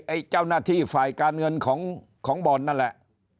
เจ้าหน้าที่ฝ่ายการเงินของบ่อนนั่นแหละ